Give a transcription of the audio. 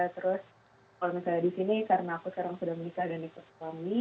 terus kalau misalnya di sini karena aku sekarang sudah menikah dan ikut suami